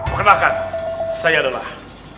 perkenalkan saya adalah